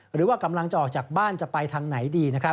หรือว่ากำลังจะออกจากบ้านจะไปทางไหนดี